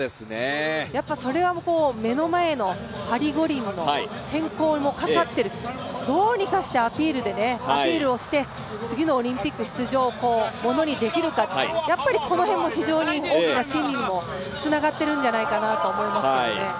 やっぱそれは目の前のパリ五輪の選考もかかってる、どうにかしてアピールをして次のオリンピック出場をものにできるか、この辺も非常に大きな心理にもつながっているんじゃないかなと思いますけどね。